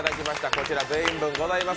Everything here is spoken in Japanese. こちら全員分ございます。